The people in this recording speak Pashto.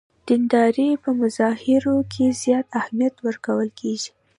دیندارۍ په مظاهرو کې زیات اهمیت ورکول کېږي.